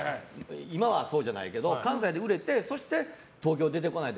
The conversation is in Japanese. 今はそうじゃないけど関西で売れてそして、東京に出てこないと。